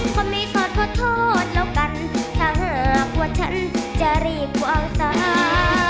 คนไม่สดขอโทษแล้วกันถ้าหากว่าฉันจะรีบวางตา